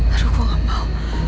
aduh gue gak mau